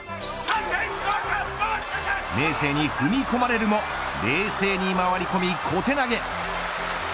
明生に踏み込まれるも冷静に回り込み、小手投げ。